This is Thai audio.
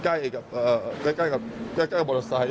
ใกล้กับใกล้กับใกล้กับบรสไทย